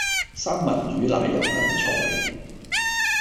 三文魚奶油燉菜